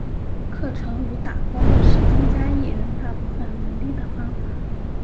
课程与打工是增加艺人大部分能力的方法。